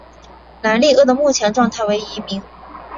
莱利鳄的目前状态为疑名。